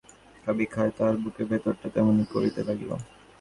ডাঙার উপরে উঠিয়া মাছ যেমন খাবি খায়, তাহার বুকের ভিতরটা তেমনি করিতে লাগিল।